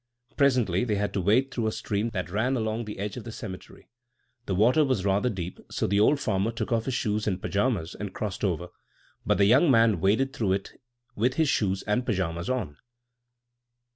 Presently they had to wade through a stream that ran along the edge of the cemetery. The water was rather deep, so the old farmer took off his shoes and paijamas and crossed over; but the young man waded through it with his shoes and paijamas on.